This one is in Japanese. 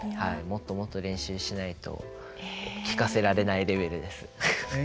もっともっと練習しないと聴かせられないレベルです。